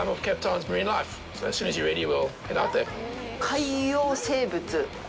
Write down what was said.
海洋生物？